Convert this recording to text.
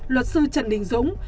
luật sư trần đình dũng